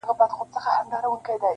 • محبت په چیغو وایې قاسم یاره..